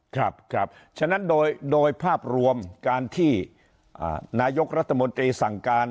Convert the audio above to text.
ครับครับฉะนั้นโดยภาพรวมการที่นายกรัฐมนตรีสั่งการ